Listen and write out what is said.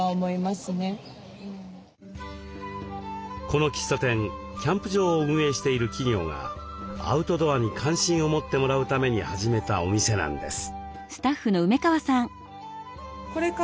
この喫茶店キャンプ場を運営している企業がアウトドアに関心を持ってもらうために始めたお店なんです。